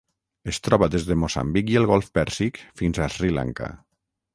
Es troba des de Moçambic i el Golf Pèrsic fins a Sri Lanka.